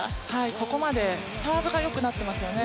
ここまでサーブがよくなっていますよね。